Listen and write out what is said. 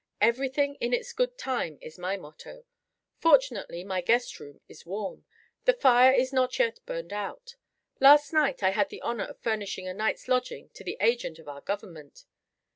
'Everything in its good time' is my motto. Fortunately my guest room is warm. The fire is not yet burned out. Last night I had the honor of furnishing a night's lodging to the Agent of our Government."